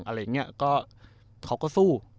อะไรเงี้ยก็เขาก็สู้